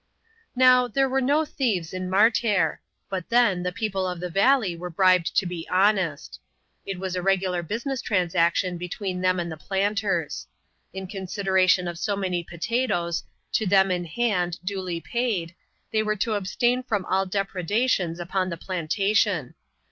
Now, there were no thieves in Martair ; but then the people of the valley were bribed to be honest. It was a regular busi ness transaction between them and the planters. In consideration of so many potatoes " to them in hand, duly paid, they were to abstain from all depredations upon the plantation.